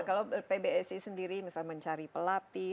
kalau pbsi sendiri misalnya mencari pelatih